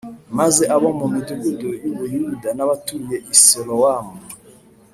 Maze abo mu midugudu y u Buyuda n abatuye I silowamu